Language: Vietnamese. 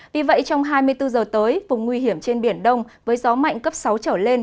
vì vậy trong hai mươi bốn giờ tới vùng nguy hiểm trên biển đông với gió mạnh cấp sáu trở lên